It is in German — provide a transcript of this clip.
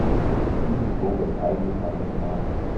Diese Kurve ist eigentlich eine Gerade.